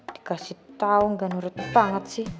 dikasih tahu gak nurut banget sih